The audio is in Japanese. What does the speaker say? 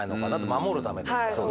守るためですからね。